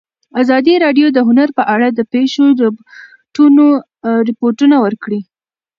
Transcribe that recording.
ازادي راډیو د هنر په اړه د پېښو رپوټونه ورکړي.